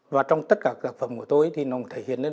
và trong tất cả các phẩm của tôi thì nó thể hiện lên